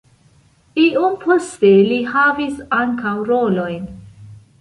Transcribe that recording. Iom poste li havis ankaŭ rolojn.